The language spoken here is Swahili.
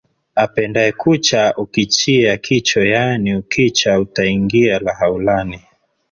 Apendae kucha ukichia kicho yani ukicha utangia lahaulani.